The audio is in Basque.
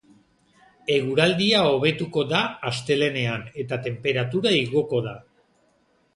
Eguraldia hobetuko da astelehenean eta tenperatura igoko da.